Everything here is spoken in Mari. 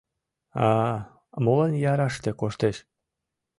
А-а... молан яраште коштеш?